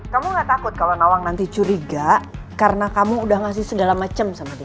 kamu gak takut kalau nawang nanti curiga karena kamu udah ngasih segala macam sama dia